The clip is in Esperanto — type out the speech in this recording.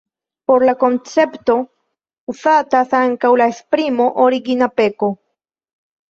Por la koncepto uzatas ankaŭ la esprimo "origina peko".